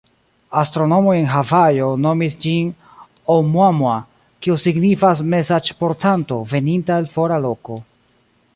Astronomoj en Havajo nomis ĝin Oumuamua, kio signifas “mesaĝportanto veninta el fora loko”.